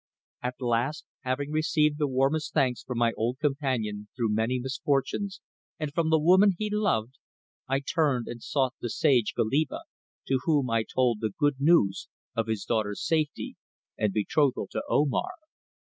At last, having received the warmest thanks from my old companion through many misfortunes and from the woman he loved, I turned and sought the sage Goliba, to whom I told the good news of his daughter's safety and betrothal to Omar.